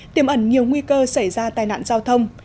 tiêm ẩn nhiều nguy cơ xảy ra tai nạn giao thông